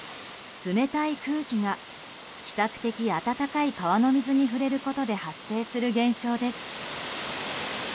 冷たい空気が比較的暖かい川の水に触れることで発生する現象です。